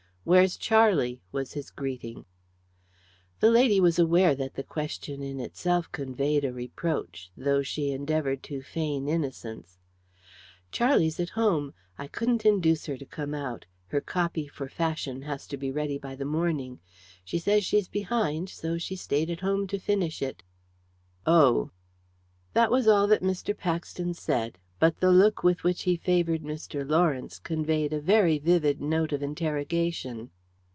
"Where's Charlie?" was his greeting. The lady was aware that the question in itself conveyed a reproach, though she endeavoured to feign innocence. "Charlie's at home; I couldn't induce her to come out. Her 'copy' for Fashion has to be ready by the morning; she says she's behind, so she stayed at home to finish it." "Oh!" That was all that Mr. Paxton said, but the look with which he favoured Mr. Lawrence conveyed a very vivid note of interrogation.